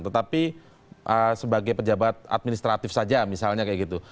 tetapi sebagai pejabat administratif saja misalnya kayak gitu